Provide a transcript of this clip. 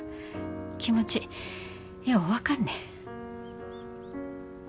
気持ちよう分かんね。